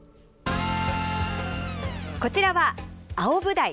こちらはアオブダイ。